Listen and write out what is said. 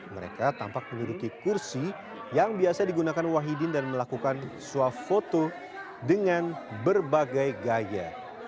mereka tampak menuduki kursi yang biasa digunakan wahidin dan melakukan suap foto dengan berbagai gaya